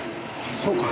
そうか。